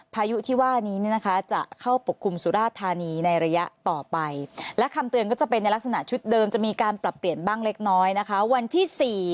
พายุที่ว่านี้เนี่ยนะคะจะเข้าปกคลุมสุราธานีในระยะต่อไปและคำเตือนก็จะเป็นในลักษณะชุดเดิมจะมีการปรับเปลี่ยนบ้างเล็กน้อยนะคะวันที่๔